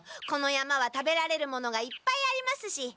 この山は食べられるものがいっぱいありますし。